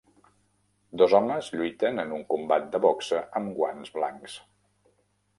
Dos homes lluiten en un combat de boxa amb guants blancs.